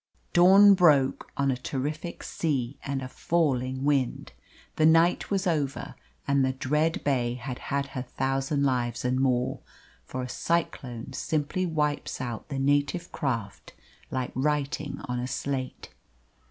Dawn broke on a terrific sea and a falling wind. The night was over and the dread Bay had had her thousand lives and more, for a cyclone simply wipes out the native craft like writing on a slate.